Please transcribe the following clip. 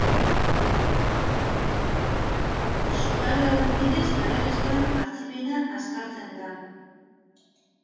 Zutabe hauen bidez erregistroen atzipena azkartzen da.